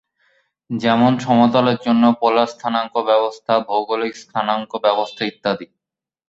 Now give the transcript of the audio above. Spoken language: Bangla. যেমন: সমতলের জন্য পোলার স্থানাঙ্ক ব্যবস্থা, ভৌগোলিক স্থানাঙ্ক ব্যবস্থা ইত্যাদি।